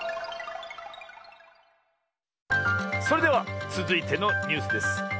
それではつづいてのニュースです。